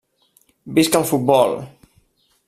Visca el futbol!